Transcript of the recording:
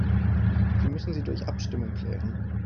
Wir müssen sie durch Abstimmung klären.